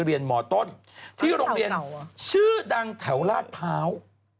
เรียนโรงเรียนชื่อดังแถวลรภาว